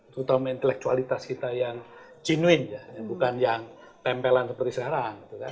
terutama intelektualitas kita yang genuin bukan yang tempelan seperti sekarang